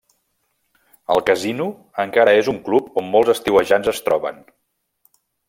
El Casino encara és un club on molts estiuejants es troben.